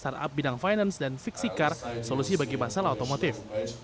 startup bidang finance dan fixicar solusi bagi masalah otomotif